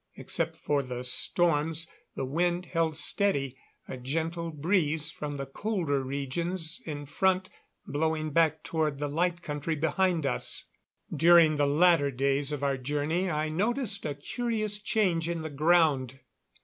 Except for the storms, the wind held steady, a gentle breeze from the colder regions in front blowing back toward the Light Country behind us. During the latter days of our journey I noticed a curious change in the ground.